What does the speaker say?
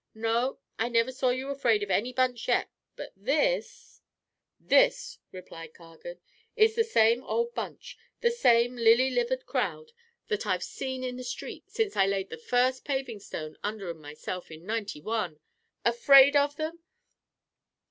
No, I never saw you afraid of any bunch yet, but this " "This," replied Cargan, "is the same old bunch. The same lily livered crowd that I've seen in the streets since I laid the first paving stone under 'em myself in '91. Afraid of them?